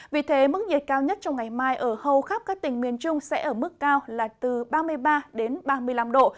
vì thế mức nhiệt cao nhất trong ngày mai ở hầu khắp các tỉnh miền trung sẽ ở mức cao là từ ba mươi ba đến ba mươi năm độ